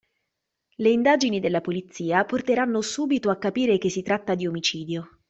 Le indagini della polizia porteranno subito a capire che si tratta di omicidio.